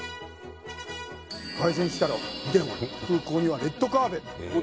凱旋したら空港にはレッドカーペット